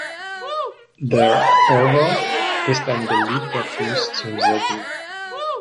Der Orwell ist ein beliebter Fluss zum Segeln.